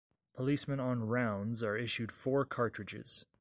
Policemen on rounds are issued four cartridges.